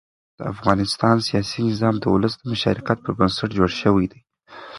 د افغانستان سیاسي نظام د ولس د مشارکت پر بنسټ جوړ شوی دی